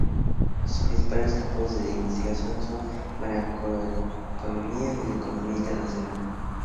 Sus principales campos de investigación son Macroeconomía y Economía Internacional.